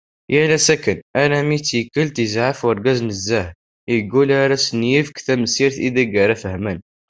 Yal ass akken, armi d tikkelt, yezɛef urgaz nezzeh, yeggul ar d asen-yefk tamsirt iseg ara fhemen.